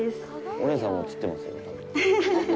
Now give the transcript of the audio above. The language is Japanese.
お姉さんも映ってますよ。